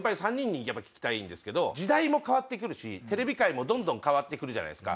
やっぱ聞きたいんですけど時代も変わって来るしテレビ界もどんどん変わって来るじゃないですか。